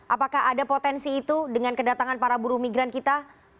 apakah ada potensi itu dengan kedatangan para buruh migran kita